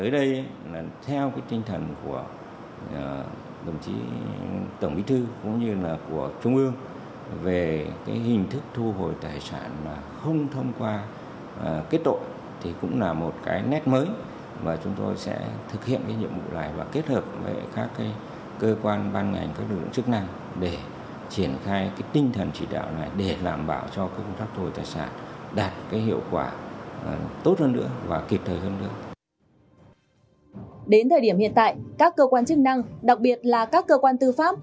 đến thời điểm hiện tại các cơ quan chức năng đặc biệt là các cơ quan tư pháp